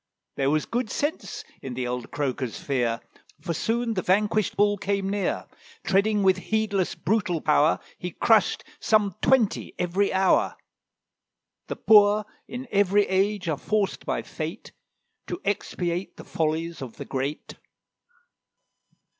There was good sense in the old croaker's fear, For soon the vanquished Bull came near: Treading with heedless, brutal power, He crushed some twenty every hour. The poor in every age are forced by Fate To expiate the follies of the great.